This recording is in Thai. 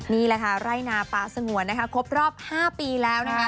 นี่แหละค่ะไร่นาป่าสงวนนะคะครบรอบ๕ปีแล้วนะคะ